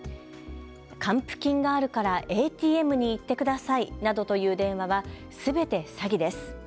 還付金があるからＡＴＭに行ってくださいなどという電話はすべて詐欺です。